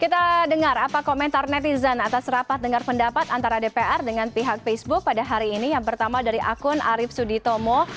kita dengar apa komentar netizen atas rapat dengar pendapat antara dpr dengan pihak facebook pada hari ini yang pertama dari akun arief suditomo